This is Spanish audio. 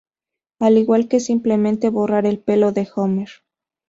Al igual, que simplemente borrar el pelo de Homer.